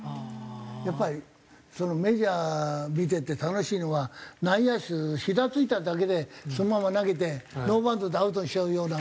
やっぱりメジャー見てて楽しいのは内野手ひざついただけでそのまま投げてノーバウンドでアウトにしちゃうような。